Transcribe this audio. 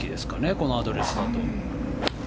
このアドレスだと。